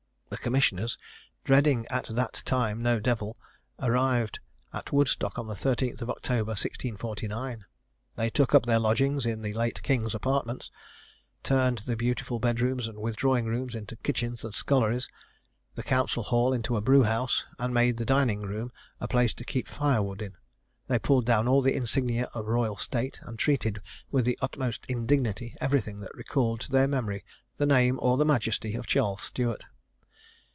The commissioners, dreading at that time no devil, arrived at Woodstock on the 13th of October 1649. They took up their lodgings in the late King's apartments turned the beautiful bed rooms and withdrawing rooms into kitchens and sculleries the council hall into a brewhouse, and made the dining room a place to keep firewood in. They pulled down all the insignia of royal state, and treated with the utmost indignity everything that recalled to their memory the name or the majesty of Charles Stuart.